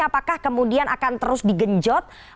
apakah kemudian akan terus digenjot